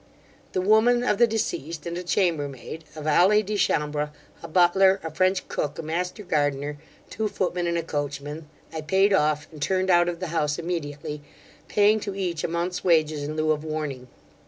The woman of the deceased, and a chambermaid, a valet de chambre, a butler, a French cook, a master gardener, two footmen and a coachman, I payed off, and turned out of the house immediately, paying to each a month's wages in lieu of warning.